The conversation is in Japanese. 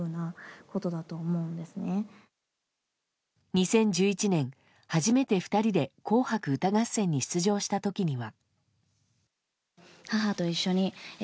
２０１１年、初めて２人で「紅白歌合戦」に出場した時には。